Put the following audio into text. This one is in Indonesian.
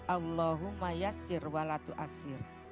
allahumma yassir wa latu assir